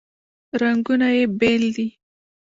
رنګونه یې بیل دي.